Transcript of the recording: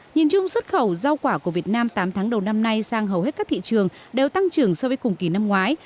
nhìn chung xuất khẩu rau quả của việt nam tám tháng đầu năm nay sang hầu hết các thị trường đều tăng trưởng so với cùng kỳ năm ngoái